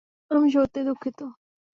আমি সত্যিই দুঃখিত!